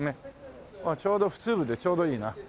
ちょうど普通部でちょうどいいな。